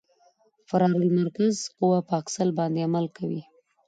فرار المرکز قوه په اکسل باندې عمل کوي